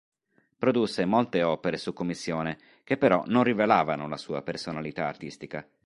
Produsse molte opere su commissione, che però non rivelavano la sua personalità artistica.